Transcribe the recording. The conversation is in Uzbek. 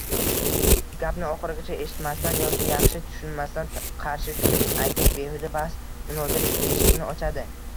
Gapni oxirigacha eshitmasdan yoki yaxshi tushunmasdan qarshi fikr aytish behuda bahs-munozara eshigini ochadi.